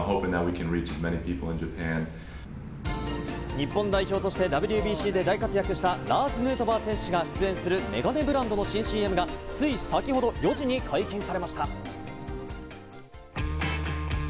日本代表としてＷＢＣで大活躍したラーズ・ヌートバー選手が出演するメガネブランドの新ＣＭがつい先程、４時に解禁されました。